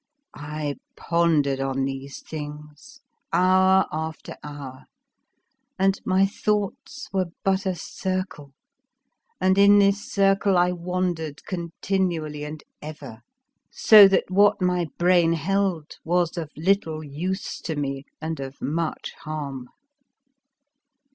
I pondered on these things hour after hour, and my thoughts were but a circle, and in this circle I wandered continually and ever, so that what my brain held was of little use to me and of much harm.